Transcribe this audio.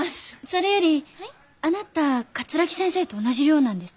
それよりあなた桂木先生と同じ寮なんですって？